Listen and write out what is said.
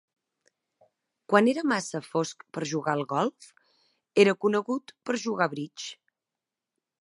Quan era massa fosc per jugar al golf, era conegut per jugar bridge.